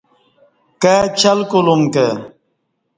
کای چل کولوم کہ